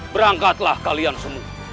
berangkatlah kalian semua